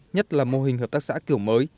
nhất là mô hình hợp tác xã kiểu mới